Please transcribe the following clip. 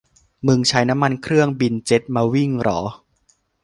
มึงใช้น้ำมันเครื่องบินเจ็ตมาวิ่งเหรอ